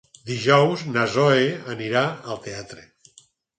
Dijous na Zoè anirà al teatre.